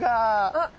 あっ！